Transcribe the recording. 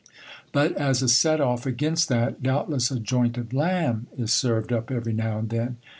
But as a set off against that, doubtless a joint of lamb is served up every now and then